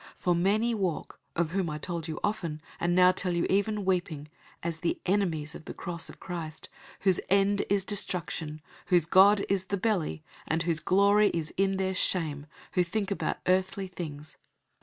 003:018 For many walk, of whom I told you often, and now tell you even weeping, as the enemies of the cross of Christ, 003:019 whose end is destruction, whose god is the belly, and whose glory is in their shame, who think about earthly things.